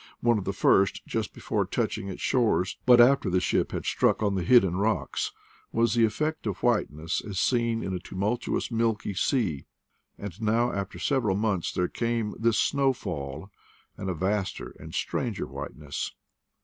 One of the first, just before touch 108 SNOW, AND QUALITY OF WHITENESS 10ft ing its shores, but after the ship had struck on the hidden rocks, was the effect of whiteness as seen in a tumultuous milky sea; and now, after several months there came this snow fall, and a vaster and stranger whiteness.